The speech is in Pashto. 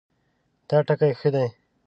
دا ټکی ښه دی